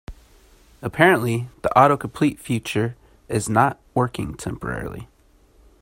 Apparently, the autocomplete feature is not working temporarily.